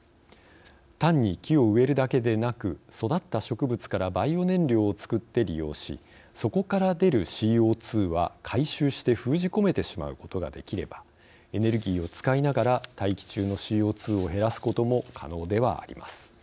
単に木を植えるだけでなく育った植物からバイオ燃料を作って利用しそこから出るＣＯ２は回収して封じ込めてしまうことができればエネルギーを使いながら大気中のＣＯ２を減らすことも可能ではあります。